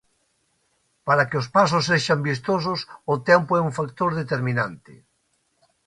Para que os pasos sexan vistosos, o tempo é un factor determinante.